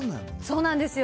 そうなんですよ。